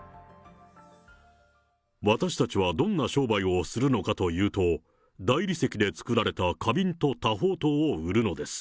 私たちは、どんな商売をするのかというと、大理石で作られた花瓶と多宝塔を売るのです。